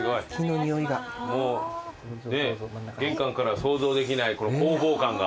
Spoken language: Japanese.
玄関から想像できない工房感が。